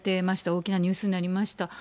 大きなニュースになりました。